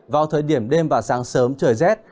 vào thời điểm đêm và sáng sớm trời rét